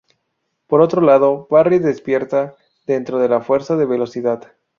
Por otro lado, Barry despierta dentro de la Fuerza de Velocidad.